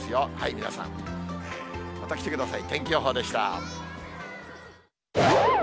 皆さん、また来てください。